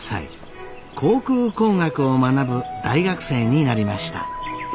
航空工学を学ぶ大学生になりました。